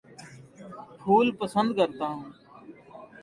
پھول پسند کرتا ہوں